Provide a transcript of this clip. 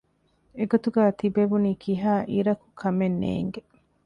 އެގޮތުގައި ތިބެވުނީ ކިހާއިރަކު ކަމެއް ނޭނގެ